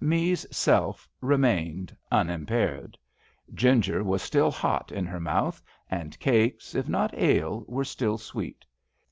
Me*s self remained unimpaired. Ginger was still hot in her mouth, and cakes, if not ale, were still sweet.